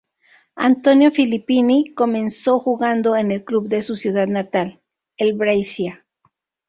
Antonio Filippini comenzó jugando en el club de su ciudad natal, el Brescia.